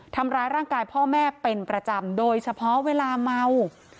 ทำร้ายร่างกายพ่อแม่เป็นประจำโดยเฉพาะเวลาเมา